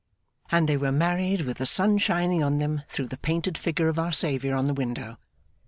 And they were married with the sun shining on them through the painted figure of Our Saviour on the window.